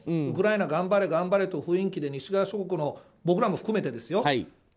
ウクライナ頑張れ、頑張れという雰囲気で西側諸国、僕らも含めてですよ